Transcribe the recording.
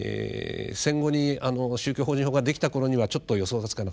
戦後に宗教法人法ができたころにはちょっと予想がつかなかった。